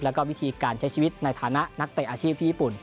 แล้วก็วิธีการใช้ชีวิตในฐานะนักเตะอาชีพที่ญี่ปุ่น